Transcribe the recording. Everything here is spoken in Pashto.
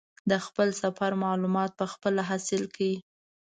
د خپل سفر معلومات په خپله حاصل کړي.